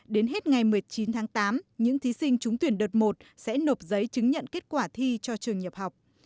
đến hết ngày một mươi chín tháng tám những thí sinh trúng tuyển đợt một sẽ nộp giấy chứng nhận kết quả thi cho trường nhập học